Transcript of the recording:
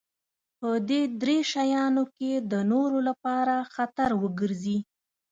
په دې درې شيانو کې د نورو لپاره خطر وګرځي.